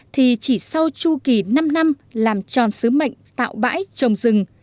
thì chỉ sau chu kỳ năm năm làm tròn sứ mệnh tạo bãi trồng rừng